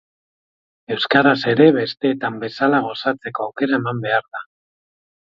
Euskaraz ere besteetan bezala goxatzeko aukera eman behar da.